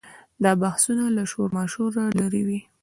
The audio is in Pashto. دا بحثونه له شورماشوره لرې وي.